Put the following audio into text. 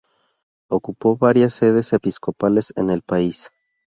Ocupó varias sedes episcopales en el país.